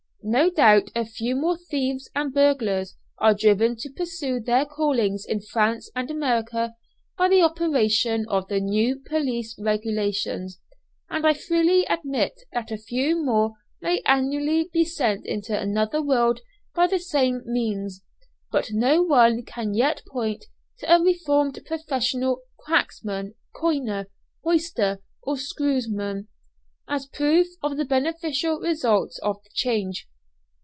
No doubt a few more thieves and burglars are driven to pursue their callings in France and America by the operation of the new police regulations, and I freely admit that a few more may annually be sent into another world by the same means, but no one can yet point to a reformed professional "Cracksman," "Coiner," "Hoister," or "Screwsman," as proof of the beneficial results of the change.